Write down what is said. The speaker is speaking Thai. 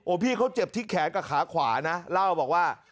พี่เขาเจ็บที่แขนกับขาขวานะเล่าบอกว่า